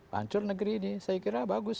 hancur negeri ini saya kira bagus